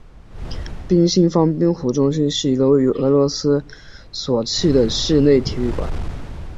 冰立方冰壶中心是一个位于俄罗斯索契的室内体育馆。